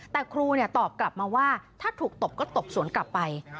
แต่ครูตอบกลับมาว่าถ้าถูกตบก็ตบสวนกลับไป